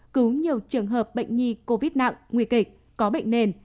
cứu nhiều trường hợp bệnh nhi covid nặng nguy kịch có bệnh nền